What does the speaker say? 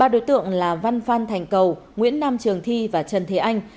ba đối tượng là văn phan thành cầu nguyễn nam trường thi và trần thế anh